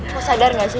lo sadar gak sih